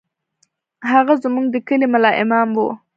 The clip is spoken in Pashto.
هغه زموږ د کلي ملا امام و.